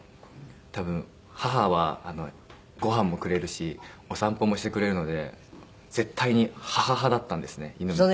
多分母はごはんもくれるしお散歩もしてくれるので絶対に母派だったんですね犬も。